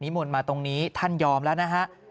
มนต์มาตรงนี้ท่านยอมแล้วนะฮะ